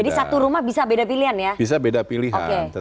jadi satu rumah bisa beda pilihan ya